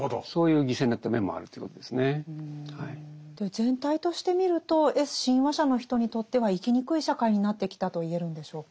全体として見るとＳ親和者の人にとっては生きにくい社会になってきたと言えるんでしょうか。